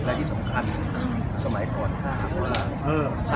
อันที่สุดท้ายก็คืออั